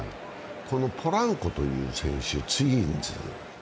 このポランコという選手、ツインズ。